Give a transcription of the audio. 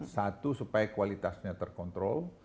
satu supaya kualitasnya terkontrol